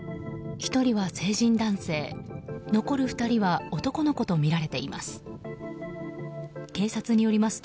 １人は成人男性、残る２人は男の子とみられています。